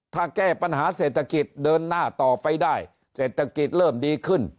ถ้าแก้ปัญหาเศรษฐกิจเดินหน้าต่อไปได้เศรษฐกิจเริ่มดีขึ้น